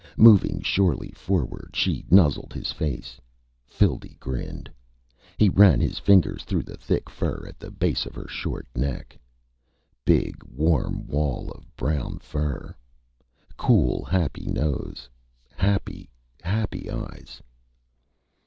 Moving surely forward, she nuzzled his face. Phildee grinned. He ran his fingers through the thick fur at the base of her short neck. Big warm wall of brown fur. Cool, happy nose. _Happy, happy, eyes.